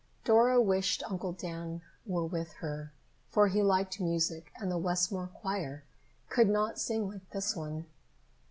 Dora wished Uncle Dan were with her, for he liked music and the Westmore choir could not sing like this one.